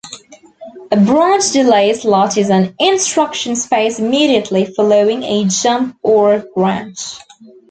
A branch delay slot is an instruction space immediately following a jump or branch.